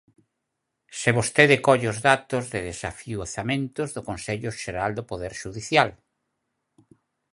Se vostede colle os datos de desafiuzamentos do Consello Xeral do Poder Xudicial.